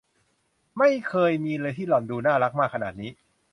ไม่เคยมีเลยที่หล่อนดูน่ารักมากขนาดนี้